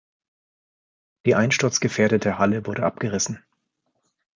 Die einsturzgefährdete Halle wurde abgerissen.